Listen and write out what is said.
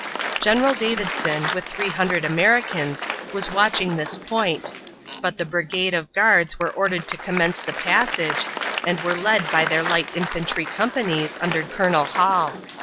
General Davidson, with 300 Americans, was watching this point, but the brigade of guards were ordered to commence the passage and were led by their light infantry companies under Colonel Hall.